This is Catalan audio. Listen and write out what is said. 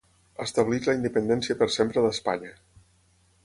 Establix la independència per sempre d'Espanya.